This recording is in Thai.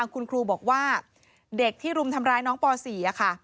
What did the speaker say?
คุณครูบอกว่าเด็กที่รุมทำร้ายน้องป๔ค่ะ